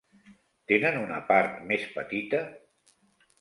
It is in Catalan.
Tenen una part més petita?